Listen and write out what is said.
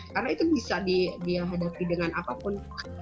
karena itu bisa dihadapi dengan apapun